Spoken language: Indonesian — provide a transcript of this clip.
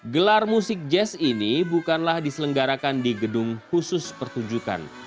gelar musik jazz ini bukanlah diselenggarakan di gedung khusus pertunjukan